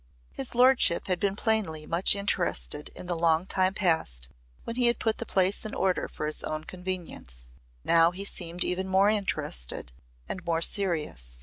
His lordship had been plainly much interested in the long time past when he had put the place in order for his own convenience. Now he seemed even more interested and more serious.